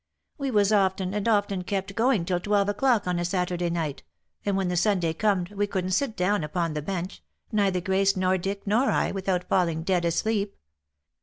" We was often and often kept going till twelve o'clock on a Satur day night, and when the Sunday corned we couldn't sit down upon the bench, neither Grace, nor Dick, nor I, without falling dead asleep.